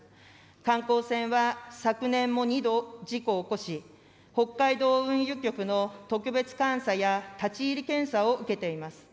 観光船は昨年も２度事故を起こし、北海道運輸局の特別監査や立ち入り検査を受けています。